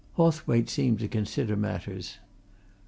Hawthwaite seemed to consider matters.